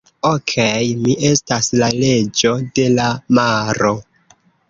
Okej. Mi estas la reĝo de la maro.